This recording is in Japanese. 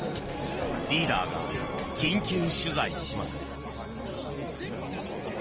リーダーが緊急取材します。